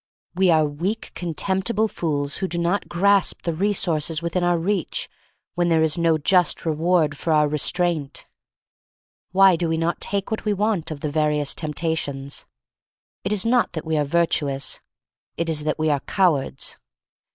We are weak, contemptible fools who do not grasp the resources within our reach when there is no just reward for our re straint. Why do we not take what we want of the various temptations? It is not that we are virtuous. It is that we are cowards.